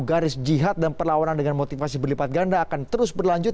garis jihad dan perlawanan dengan motivasi berlipat ganda akan terus berlanjut